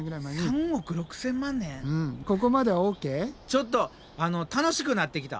ちょっと楽しくなってきた。